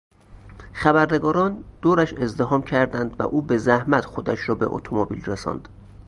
خبرنگاران دورش ازدحام کردند و او به زحمت خودش را به اتومبیل رساند.